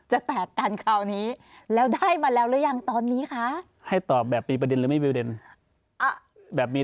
หรือจะแตกกันคราวนี้